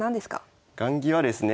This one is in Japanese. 雁木はですね